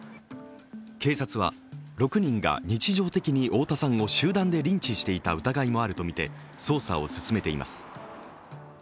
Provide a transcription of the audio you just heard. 警察は６人が日常的に太田さんを集団でリンチしていた疑いもあるとみて捜査を進めています。